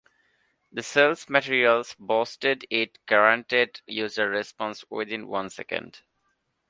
The sales materials boasted that it guaranteed user responses within one second.